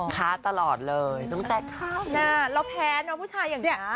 แปลนว่าผู้ชายอย่างนี้นะ